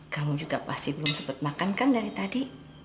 kamu juga pasti belum sempat makan kan dari tadi